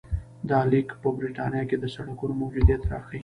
دا لیک په برېټانیا کې د سړکونو موجودیت راښيي